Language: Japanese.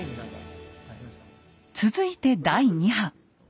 続いて第２波。